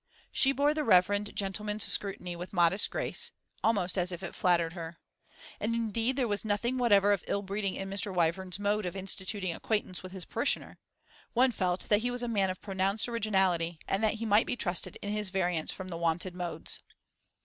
She bore the reverend gentleman's scrutiny with modest grace, almost as if it flattered her. And indeed there was nothing whatever of ill breeding in Mr. Wyvern's mode of instituting acquaintance with his parishioner; one felt that he was a man of pronounced originality, and that he might be trusted in his variance from the wonted modes.